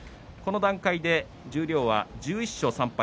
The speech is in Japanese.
この段階で十両は１１勝３敗